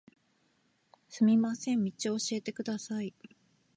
すみません、道を教えてください。